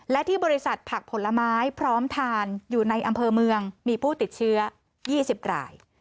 และที่บริษัทผักผลไม้พร้อมทานอยู่ในอำเภอเมืองมีผู้ติดเชื้อ๒๐ราย